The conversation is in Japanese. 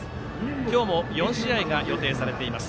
今日も４試合が予定されています。